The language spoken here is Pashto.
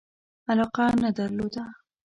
علاقه نه درلوده.